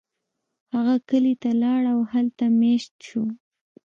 هغه کلی ته لاړ او هلته میشت شو.